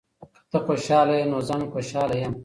که ته خوشحاله یې، نو زه هم خوشحاله یم.